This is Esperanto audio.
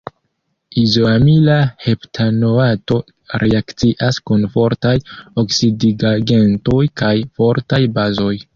Izoamila heptanoato reakcias kun fortaj oksidigagentoj kaj fortaj bazoj.